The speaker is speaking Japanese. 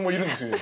今。